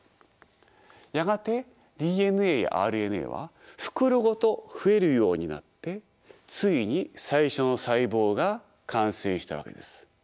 やがてＤＮＡやＲＮＡは袋ごと増えるようになってついに最初の細胞が完成したわけです。